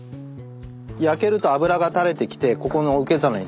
焼けると脂がたれてきてここの受け皿にたまる。